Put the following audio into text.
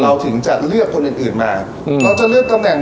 ถึงจะเลือกคนอื่นอื่นมาเราจะเลือกตำแหน่ง